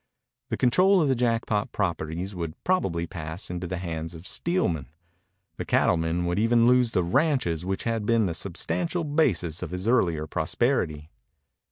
The control of the Jackpot properties would probably pass into the hands of Steelman. The cattleman would even lose the ranches which had been the substantial basis of his earlier prosperity.